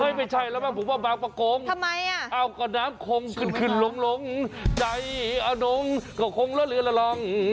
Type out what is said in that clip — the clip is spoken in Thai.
ไม่ใช่แล้วบางประโคมเอาก็น้ำโคมขึ้นหลงใจอดงก็คงละละลอง